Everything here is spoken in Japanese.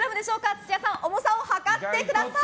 土屋さん、重さを量ってください。